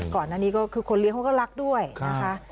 ก่อนอันนี้ก็คือคนเลี้ยงเขาก็รักด้วยนะคะ